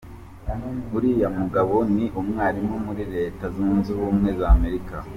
Uriya mugabo ni umwarimu muri Leta zunze ubumwe z’ Amerika